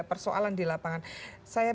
persoalan di lapangan saya